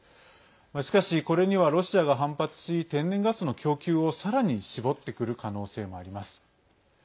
しかし、これにはロシアが反発し天然ガスの供給をさらに絞ってくる可能性もあります。